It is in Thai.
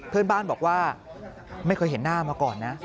เพื่อนบ้านบอกว่าไม่เคยเห็นหน้ามาก่อนนะ